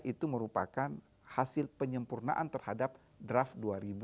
itu merupakan hasil penyempurnaan terhadap draft dua ribu dua puluh